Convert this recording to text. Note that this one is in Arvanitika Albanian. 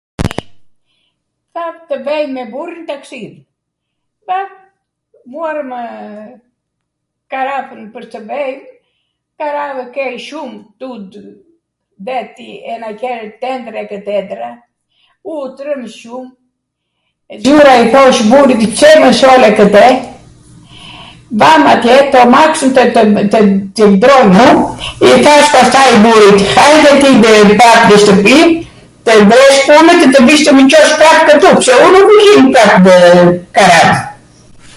Tham tw vej me burrin taksidh, vam, muarwmw karavwn pwr tw vej, karavw kej shum, tu deti e na qenw tendra e tendra, u u trwmb shum, zura e i thosh burrit pse mw solle kwtej, vam atje, to amaks ...., i thash pastaj burrit hajde ti prap nw shtwpi tw bwsh punw dhe tw vish tw mw Cosh prap kwtu pse un nuku vij prapw karav